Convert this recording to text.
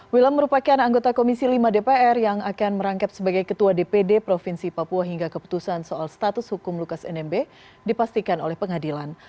wilam merupakan anggota komisi lima dpr yang akan merangkap sebagai ketua dpd provinsi papua hingga keputusan soal status hukum lukas nmb dipastikan oleh pengadilan